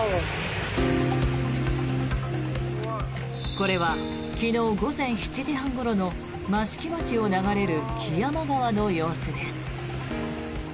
これは、昨日午前７時半ごろの益城町を流れる木山川の様子です。